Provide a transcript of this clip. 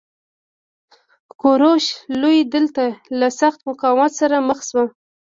کوروش لوی دلته له سخت مقاومت سره مخ شو